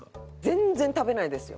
全然食べないですよ。